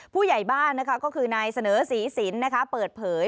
ผู้ใหญ่บ้านก็คือนายเสนอศรีสินเปิดเผย